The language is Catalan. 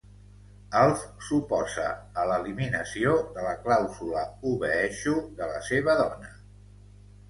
Alf s'oposa a l'eliminació de la clàusula "Obeeixo" de la seva dona.